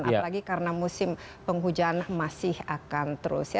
apalagi karena musim penghujan masih akan terus ya